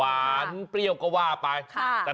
วานเปรี้ยวก็ว่าไปเเคร